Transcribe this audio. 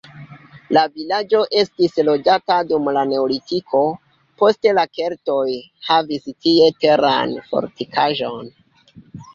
La vilaĝo estis loĝata dum la neolitiko, poste la keltoj havis tie teran fortikaĵon.